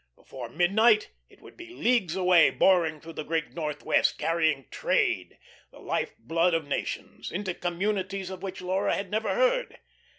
Before midnight it would be leagues away boring through the Great Northwest, carrying Trade the life blood of nations into communities of which Laura had never heard.